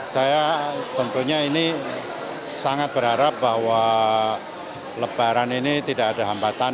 saya tentunya ini sangat berharap bahwa lebaran ini tidak ada hambatan